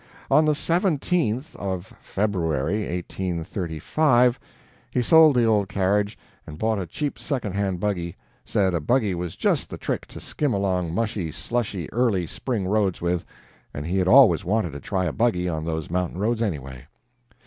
"On the 17th of February, 1835, he sold the old carriage and bought a cheap second hand buggy said a buggy was just the trick to skim along mushy, slushy early spring roads with, and he had always wanted to try a buggy on those mountain roads, anyway.